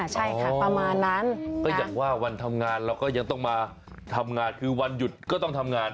ใช่ค่ะประมาณนั้นก็อย่างว่าวันทำงานเราก็ยังต้องมาทำงานคือวันหยุดก็ต้องทำงาน